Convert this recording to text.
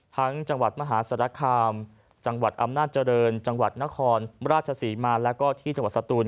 จังหวัดมหาศาลคามจังหวัดอำนาจเจริญจังหวัดนครราชศรีมาแล้วก็ที่จังหวัดสตูน